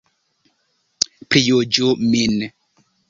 Prijuĝu min!